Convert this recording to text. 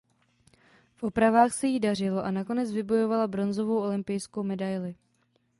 V opravách se jí dařilo a nakonec vybojovala bronzovou olympijskou medaili.